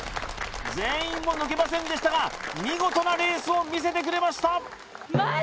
全員を抜けませんでしたが見事なレースを見せてくれました